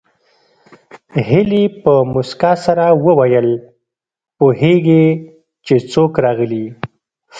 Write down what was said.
هيلې په مسکا سره وویل پوهېږې چې څوک راغلي